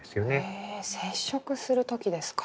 へえ接触する時ですか。